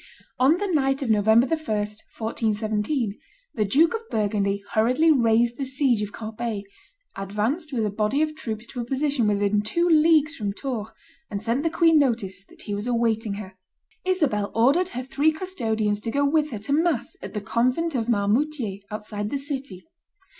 On the night of November 1, 1417, the Duke of Burgundy hurriedly raised the siege of Corbeil, advanced with a body of troops to a position within two leagues from Tours, and sent the queen notice that he was awaiting her. Isabel ordered her three custodians to go with her to mass at the Convent of Marmoutier, outside the city.